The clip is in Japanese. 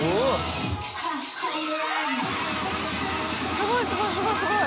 すごいすごいすごいすごい。